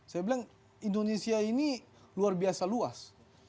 saya bilang indonesia ini luar biasa luas